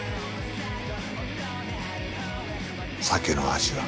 酒の味は。